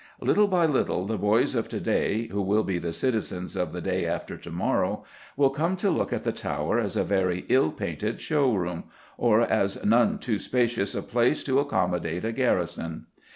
Little by little the boys of to day, who will be the citizens of the day after to morrow, will come to look at the Tower as a very ill painted showroom, or as none too spacious a place to accommodate a garrison.